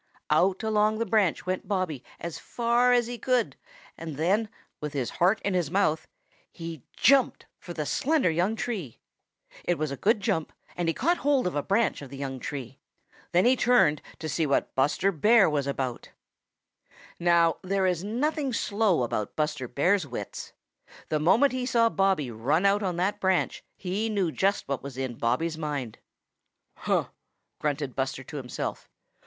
Out along the branch went Bobby as far as he could, and then, with his heart in his mouth, he jumped for the slender young tree. It was a good jump, and he caught hold of a branch of the young tree. Then he turned to see what Buster Bear was about. [Illustration: 0116] Now there is nothing slow about Buster Bear's wits. The moment he saw Bobby run out on that branch, he knew just what was in Bobby's mind. "Huh!" grunted Buster to himself.